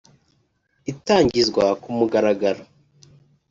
Itangizwa ku mugaragaro